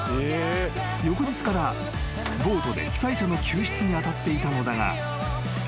［翌日からボートで被災者の救出に当たっていたのだが］